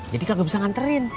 jadi kagak bisa nganterin